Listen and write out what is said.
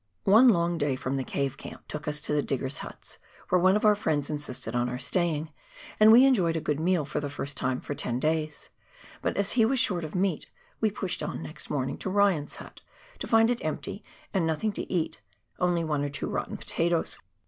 One long day from the Cave Camp took us to the diggers' huts, where one of our friends insisted on our staying, and we enjoyed a good meal for the first time for ten daj^s ; but as he was short of meat we pushed on next morning to Ryan's hut, to find it empty and nothing to eat, only one or two rotten potatoes.